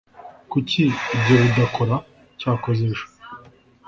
Kuki ibyo bidakora? Cyakoze ejo.